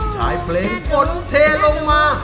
ใช้เพลงฝนเทลงมา